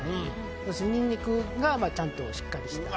ニンニクがちゃんとしっかりしてて。